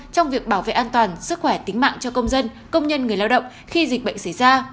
trong việc bảo vệ an toàn sức khỏe tính mạng cho công dân công nhân người lao động khi dịch bệnh xảy ra